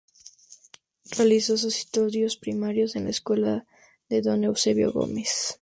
Realizó sus estudios primarios en la Escuela de Don Eusebio Gómez.